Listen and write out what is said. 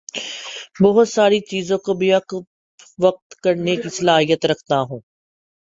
بہت ساری چیزوں کو بیک وقت کرنے کی صلاحیت رکھتا ہوں